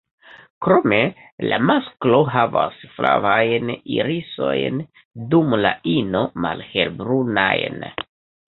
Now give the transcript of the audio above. Krome la masklo havas flavajn irisojn, dum la ino malhelbrunajn.